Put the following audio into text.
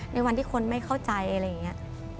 ในวันที่คนไม่เข้าใจอะไรอย่างนี้